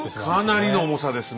かなりの重さですねえ。